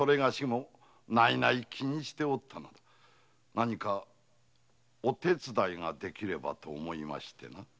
何かお手つだいができればと思いましてな。